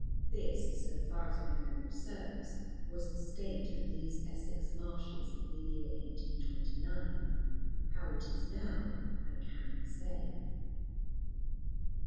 This, so far as my memory serves, was the state of these Essex marshes in the year 1829: how it is now I cannot say.